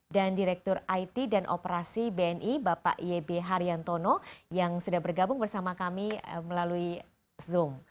dan direktur it dan operasi bni bapak iebe haryantono yang sudah bergabung bersama kami melalui zoom